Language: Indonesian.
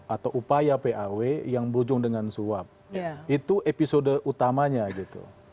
atau upaya paw yang berujung dengan suap itu episode utamanya gitu